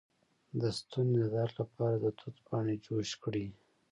د ستوني د درد لپاره د توت پاڼې جوش کړئ